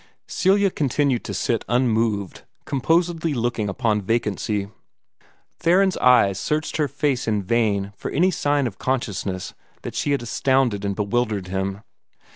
Celia continued to sit unmoved, composedly looking upon vacancy. Theron's eyes searched her face in vain for any sign of consciousness that she had astounded and bewildered him.